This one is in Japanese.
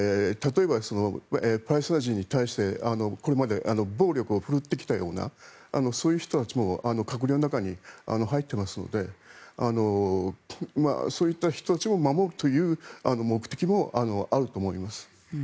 例えば、これまで暴力を振るってきたようなそういう人たちも閣僚の中に入ってますのでそういった人たちを守るという目的もあると思います。